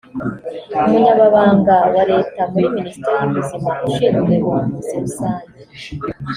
Umunyamabanga wa Leta muri Minisiteri y’Ubuzima ushinzwe ubuvuzi rusange